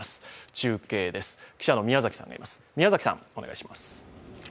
中継です記者の宮嵜さんがいます。